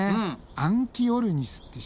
アンキオルニスって知ってる？